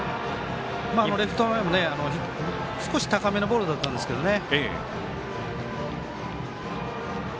１球前も少し高めのボールだったんですけどね。